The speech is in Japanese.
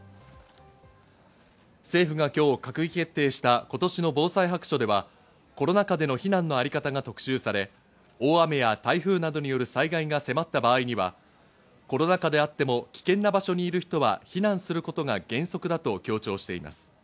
政府が今日閣議決定した今年の防災白書では、コロナ禍での避難のあり方が特集され、大雨や台風などによる災害が迫った場合にはコロナ禍であっても、危険な場所にいる人は避難することが原則だと強調しています。